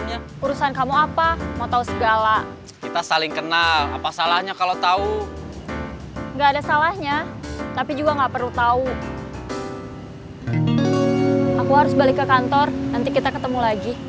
nanti kita ketemu lagi